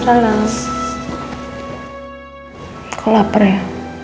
kau lapar ya